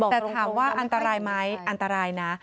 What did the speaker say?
แต่ถามว่าอันตรายไหมอันตรายนะ